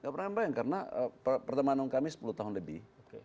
tidak pernah membayangkan karena pertemanan kami sepuluh tahun lebih